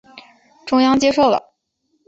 中央接受了。